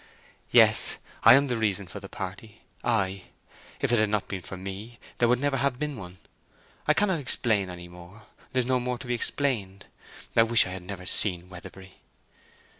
"Yes. I am the reason of the party—I. If it had not been for me, there would never have been one. I can't explain any more—there's no more to be explained. I wish I had never seen Weatherbury."